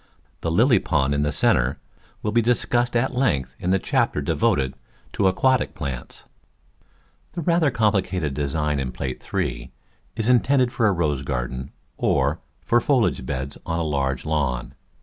The lily pond in the centre will be discussed at length in the chapter devoted to aquatic plants. The rather complicated design in Plate III. is in tended for a rose garden or for foliage beds on a large lawn.